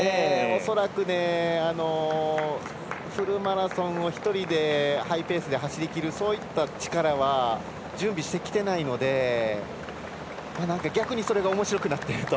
恐らくねフルマラソンを一人でハイペースで走りきるそういった力は準備してきてないので逆にそれがおもしろくなってると。